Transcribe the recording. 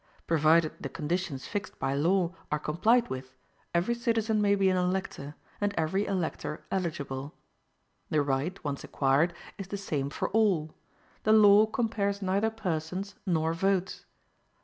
Provided the conditions fixed by law are complied with, every citizen may be an elector, and every elector eligible. The right, once acquired, is the same for all; the law compares neither persons nor votes.